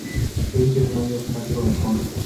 Cage es un ávido fanático del cómic.